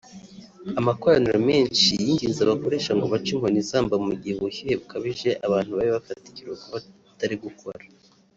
Amakoraniro menshi yinginze abakoresha ngo bace inkoni izamba mu gihe ubushyuhe bukabije abantu babe bafata ikiruhuko batari gukora